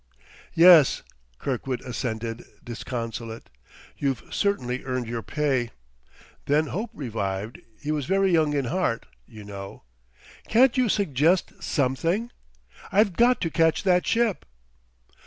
"Yes," Kirkwood assented, disconsolate, "You've certainly earned your pay." Then hope revived; he was very young in heart, you know. "Can't you suggest something? I've got to catch that ship!"